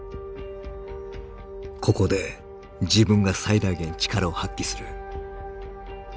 ここで自分が最大限力を発揮する。